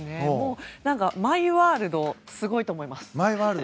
マイワールドがすごいと思います。